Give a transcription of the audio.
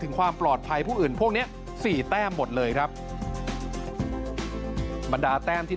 ความปลอดภัยผู้อื่นพวกเนี้ยสี่แต้มหมดเลยครับบรรดาแต้มที่